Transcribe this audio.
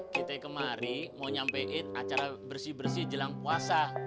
kita kemari mau nyampein acara bersih bersih jelang puasa